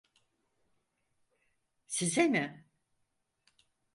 Size mi?